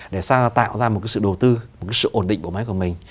để tạo ra một cái sự đầu tư một cái sự ổn định của máy của mình